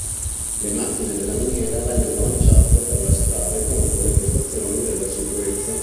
Le macchine della miniera vennero lanciate per le strade contro le postazioni della sicurezza.